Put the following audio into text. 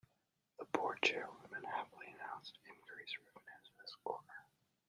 The board chairwoman happily announced increased revenues this quarter.